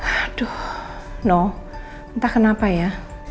aduh no entah kenapa ya